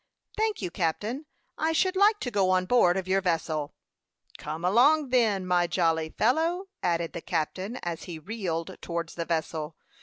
"Thank you, captain. I should like to go on board of your vessel." "Come along, then, my jolly fellow," added the captain, as he reeled towards the vessel.